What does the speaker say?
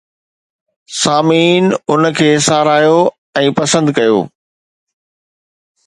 سامعين ان کي ساراهيو ۽ پسند ڪيو